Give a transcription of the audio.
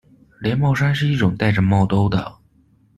连帽衫是一种带着帽兜的。